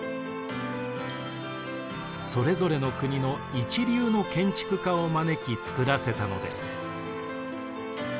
それぞれの国の一流の建築家を招きつくらせたのです。